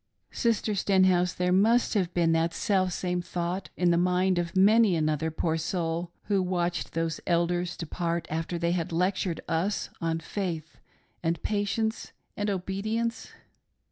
Sister Stenhouse, there must have been that selfsame thought in the mind of many another poor soul who watched those Elders depart after they had^ lectured us on faith and patience and obedience